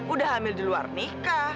udah hamil di luar nikah